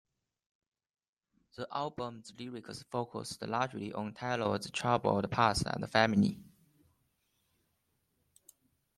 The album's lyrics focused largely on Taylor's troubled past and family.